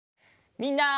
みんな！